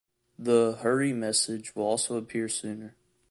The "Hurry" message will also appear sooner.